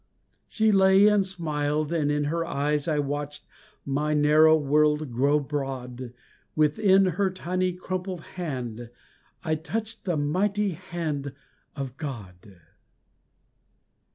She lay and smiled and in her eyes I watched my narrow world grow broad, Within her tiny, crumpled hand I touched the mighty hand of God!